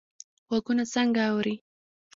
غوږونه څنګه اوري؟